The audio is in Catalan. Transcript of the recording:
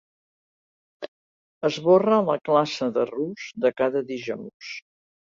Esborra la classe de rus de cada dijous.